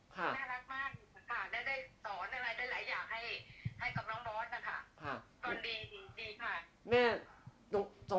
ค่ะได้สอนอะไรได้หลายอย่างให้กับน้องบอสนะคะ